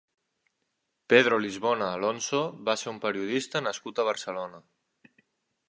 Pedro Lisbona Alonso va ser un periodista nascut a Barcelona.